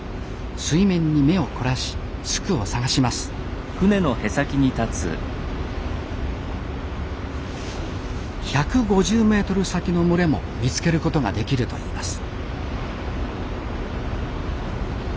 水面に目を凝らしスクを探します１５０メートル先の群れも見つけることができるといいます